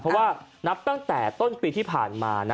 เพราะว่านับตั้งแต่ต้นปีที่ผ่านมา